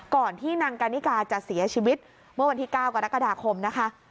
ที่นางกานิกาจะเสียชีวิตเมื่อวันที่๙กรกฎาคมนะคะ